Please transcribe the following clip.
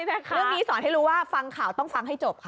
เรื่องนี้สอนให้รู้ว่าฟังข่าวต้องฟังให้จบค่ะ